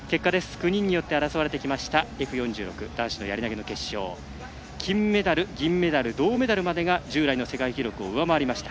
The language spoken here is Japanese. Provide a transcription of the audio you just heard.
９人によって争われましたＦ４６男子やり投げの決勝金メダル、銀メダル銅メダルまでが従来の世界記録を上回りました。